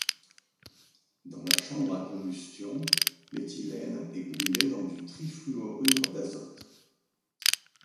Dans la chambre à combustion l'éthylène est brûlé dans du trifluorure d'azote.